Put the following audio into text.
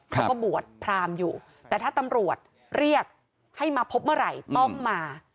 เขาก็บวชพรามอยู่แต่ถ้าตำรวจเรียกให้มาพบเมื่อไหร่ต้องมา